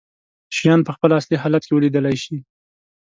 شيان په خپل اصلي حالت کې ولیدلی شي.